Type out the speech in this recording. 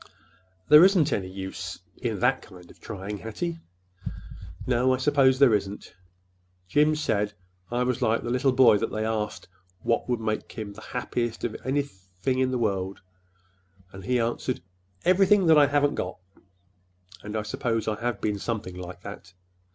"There isn't any use—in that kind of trying, Hattie." "No, I suppose there isn't. Jim said I was like the little boy that they asked what would make him the happiest of anything in the world, and he answered, 'Everything that I haven't got.' And I suppose I have been something like that.